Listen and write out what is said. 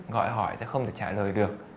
gọi hỏi sẽ không thể trả lời